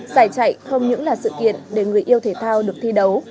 giải chạy không những là sự kiện để người yêu thể thao được thi đấu